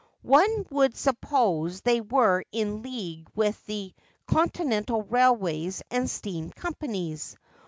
One would suppose they were in league with the Con tinental railways and steam companies.